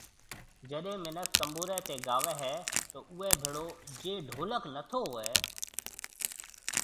جڏي منک تنبوري تي گاوي ھيَََ تو اوئي ڀيڙو جي ڍولڪ نٿو ھوئي